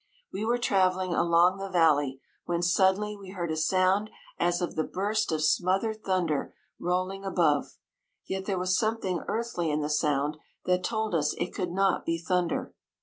We were travelling along the valley, when suddenly we heard a sound as of the burst of smothered thunder rolling above ; yet there was something earth ly in the sound, that told us it could not be thunder.